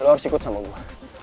lo harus ikut sama gue